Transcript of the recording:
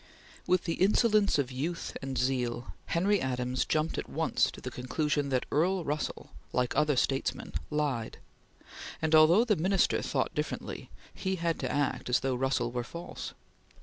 With the insolence of youth and zeal, Henry Adams jumped at once to the conclusion that Earl Russell like other statesmen lied; and, although the Minister thought differently, he had to act as though Russell were false.